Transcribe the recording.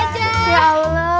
itu kayak susah